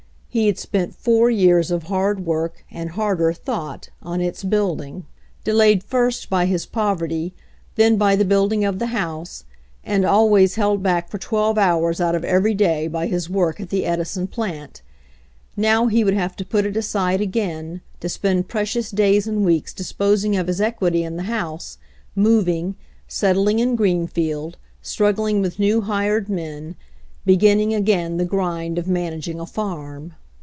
He had spent four years of hard work, and harder thought, on its building — delayed first 86 A RIDE IN THE RAIN 87 by his poverty, then by the building of the house, and always held back for twelve hours out of every day by his work at the Edison plant. Now he would have to put it aside again, to spend precious days and weeks disposing of his equity in the house, moving, settling in Greenfield, strug gling with new hired men, beginning again the grind of managing a farm.